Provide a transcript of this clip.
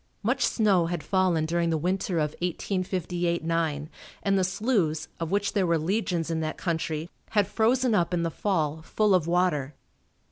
Much snow had fallen during the winter of 1858 9 and the sloughs of which there were legions in that country, had frozen up in the fall, full of water.